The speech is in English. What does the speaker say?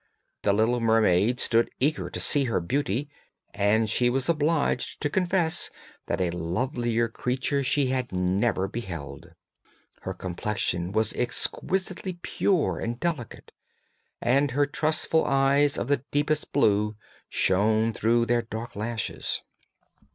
The little mermaid stood eager to see her beauty, and she was obliged to confess that a lovelier creature she had never beheld. Her complexion was exquisitely pure and delicate, and her trustful eyes of the deepest blue shone through their dark lashes.